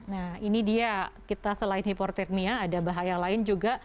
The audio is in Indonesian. nah ini dia kita selain hiportirmia ada bahaya lain juga